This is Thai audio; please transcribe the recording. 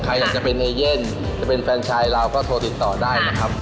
ใครอยากจะเป็นเอเย่นจะเป็นแฟนชายเราก็โทรติดต่อได้นะครับ